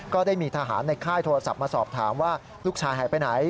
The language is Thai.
ก็ได้มีทหารในค่ายโทรศัพท์มาสอบถามว่าลูกชายหายไปไหน